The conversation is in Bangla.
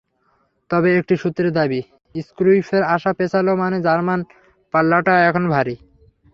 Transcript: তবে একটি সূত্রের দাবি, ক্রুইফের আসা পেছানো মানে জার্মান পাল্লাটা এখন ভারী।